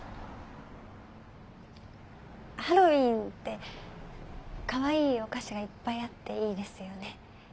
ハロウィンってかわいいお菓子がいっぱいあっていいですよね。